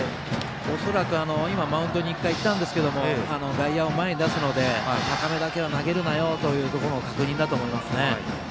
恐らく今、マウンドに１回行ったんですが外野を前に出すので高めだけは投げるなよという確認だと思いますね。